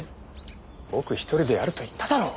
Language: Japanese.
僕一人でやると言っただろう！